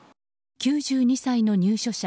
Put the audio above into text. ９２歳の入所者